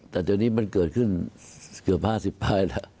แต่เดี๋ยวนี้มันเกิดขึ้นเกือบ๕๐ป้ายแล้ว